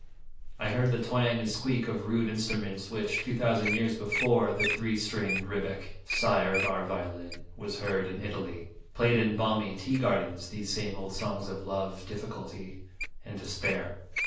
I heard the twang and squeak of rude instruments, which, two thousand years before the three stringed rebec (sire of our violin) was heard in Italy, played in balmy tea gardens these same old songs of love, difficulty, and despair.